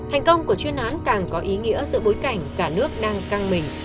thành công của chuyên án càng có ý nghĩa giữa bối cảnh cả nước đang căng mình